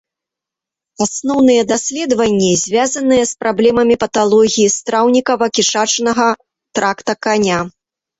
Асноўныя даследванні звязаныя з праблемамі паталогіі страўнікава-кішачнага тракта каня.